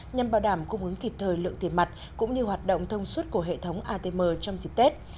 nhằm bảo đảm cung ứng kịp thời lượng tiền mặt cũng như hoạt động thông suất của hệ thống atm trong dịp tết